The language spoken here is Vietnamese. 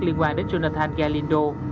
liên quan đến jonathan galindo